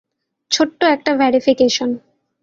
ছোট্ট একটা ভেরিফিকেশন।